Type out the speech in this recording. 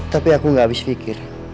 tapi aku gak habis pikir